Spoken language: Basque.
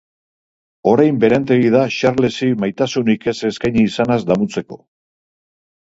Orain berantegi da Xarlesi maitasunik ez eskaini izanaz damutzeko.